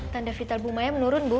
tanda vital bu maya menurun bu